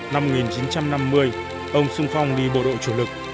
năm một nghìn chín trăm năm mươi ông sung phong đi bộ đội chủ lực